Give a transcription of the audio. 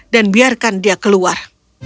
dan biarkan dia keluar